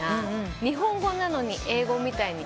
日本語なのに英語みたいに聞こえて。